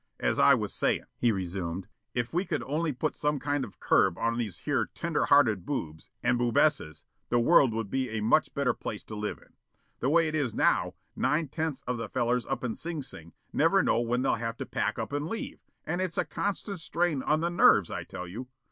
"As I was sayin'," he resumed, "if we could only put some kind of a curb on these here tender hearted boobs and boobesses the world would be a much better place to live in. The way it is now, nine tenths of the fellers up in Sing Sing never know when they'll have to pack up and leave, and it's a constant strain on the nerves, I tell you.